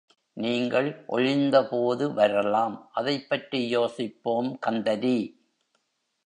நீங்கள் ஒழிந்தபோது வரலாம். அதைப் பற்றி யோசிப்போம் கந்தரி.